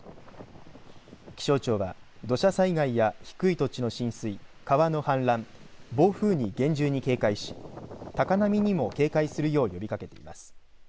気象庁は土砂災害や低い土地の浸水川の氾濫、暴風に厳重に警戒し高波にも警戒するよう呼びかけてます。